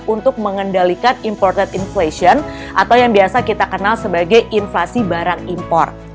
untuk mengendalikan imported inflation atau yang biasa kita kenal sebagai inflasi barang impor